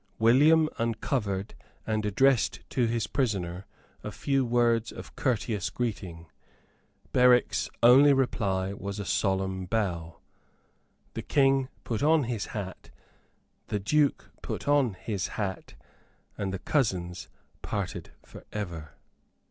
William uncovered, and addressed to his prisoner a few words of courteous greeting. Berwick's only reply was a solemn bow. The King put on his hat; the Duke put on his hat; and the cousins parted for ever.